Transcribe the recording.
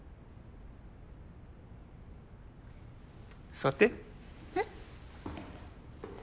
座ってえっ？